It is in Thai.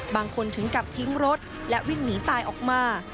ถึงกับทิ้งรถและวิ่งหนีตายออกมา